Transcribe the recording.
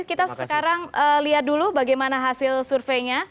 kita sekarang lihat dulu bagaimana hasil surveinya